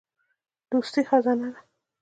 دوستي خزانه ده.